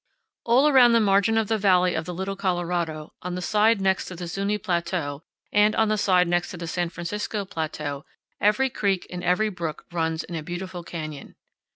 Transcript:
All round the margin of the valley of the Little Colorado, on the side next to the Zuñi Plateau and on the side next to the San Francisco Plateau, every creek and every brook runs in a beautiful canyon.